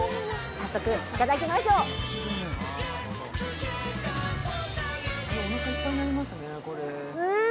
早速いただきましょううん！